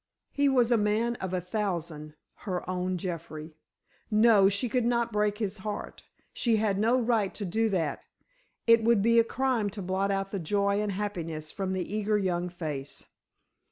He was a man of a thousand—her own Jeffrey. No, she could not break his heart—she had no right to do that. It would be a crime to blot out the joy and happiness from the eager young face.